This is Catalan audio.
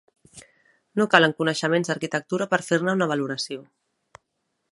No calen coneixements d'arquitectura per fer-ne una valoració.